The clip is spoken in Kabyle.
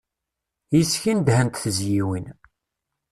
Yes-k i nedhent tezyiwin.